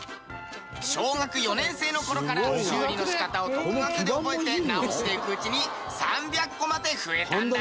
小学４年生の頃から修理の仕方を独学で覚えて直していくうちに３００個まで増えたんだな。